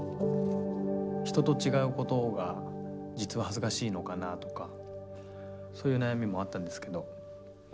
人と違うことが実は恥ずかしいのかなとかそういう悩みもあったんですけど